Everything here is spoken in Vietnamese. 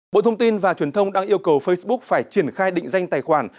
bộ thông tin và truyền thông đang yêu cầu facebook phải triển khai định danh tài khoản